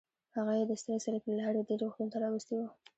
هغه یې د سره صلیب له لارې دې روغتون ته راوستی و.